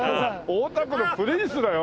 大田区のプリンスだよ。